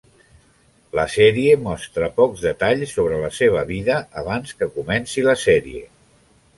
La sèrie mostra pocs detalls sobre la seva vida abans que comenci la sèrie.